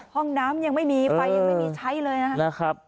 ห้องน้ำยังไม่มีไฟยังไม่มีใช้เลยนะครับ